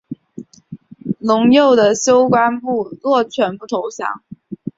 陇右的休官部落全部投降。